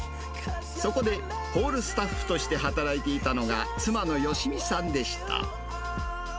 そこでホールスタッフとして働いていたのが、妻の好美さんでした。